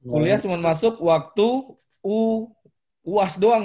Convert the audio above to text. kuliah cuman masuk waktu uas doang